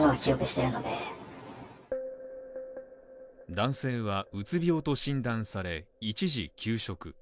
男性はうつ病と診断され、一時休職。